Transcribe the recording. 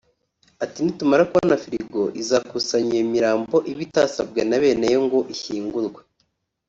Ati “Nitumara kubona firigo izakusanya iyo mirambo iba itasabwe na beneyo ngo ishyingurwe